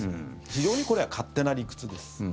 非常にこれは勝手な理屈です。